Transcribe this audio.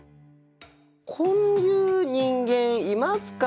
こういう人間いますか？